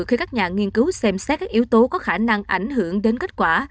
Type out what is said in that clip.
khi các nhà nghiên cứu xem xét các yếu tố có khả năng ảnh hưởng đến kết quả